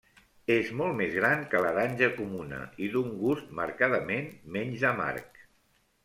És molt més gran que l'aranja comuna i d'un gust marcadament menys amarg.